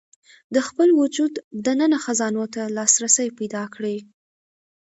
د خپل وجود دننه خزانو ته لاسرسی پيدا کړي.